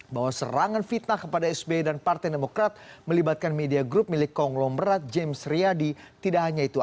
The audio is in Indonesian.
bahwa serangan fitnah kepada sbe dan partai demokrat melibatkan media grup milik konglomerat james riyadi tidak hanya itu